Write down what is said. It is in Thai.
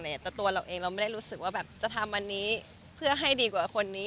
แต่ตัวเราเองเราไม่ได้รู้สึกว่าแบบจะทำอันนี้เพื่อให้ดีกว่าคนนี้